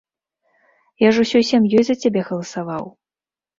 Я ж усёй сям'ёй за цябе галасаваў.